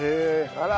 あら！